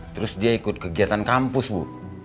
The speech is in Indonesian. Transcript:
terus dia ikut kegiatan kampus bu